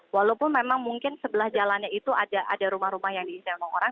walaupun memang mungkin sebelah jalannya itu ada rumah rumah yang diintemong orang